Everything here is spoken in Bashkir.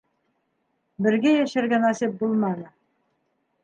Бергә йәшәргә насип булманы.